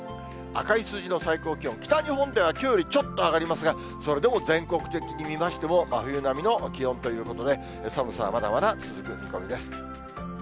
赤い数字の最高気温、北日本ではきょうよりちょっと上がりますが、それでも全国的に見ましても、真冬並みの気温ということで、寒さはまだまだ続く見込みです。